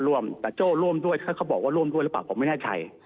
ร่วมแต่โจ้ร่วมด้วยถ้าเขาบอกว่าร่วมด้วยหรือเปล่าผมไม่แน่ใจ